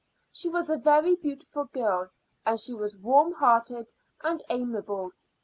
She was a very beautiful girl, and she was warm hearted and amiable.